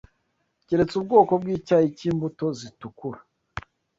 keretse ubwoko bw’icyayi cy’imbuto zitukura